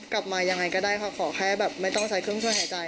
กลับมายังไงก็ได้ค่ะขอแค่แบบไม่ต้องใช้เครื่องช่วยหายใจ